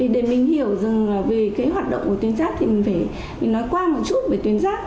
để mình hiểu về hoạt động của tuyến giáp thì mình phải nói qua một chút về tuyến giáp